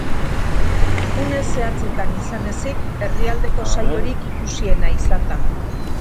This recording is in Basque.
Une zehatzetan izan ezik, herrialdeko saiorik ikusiena izan da.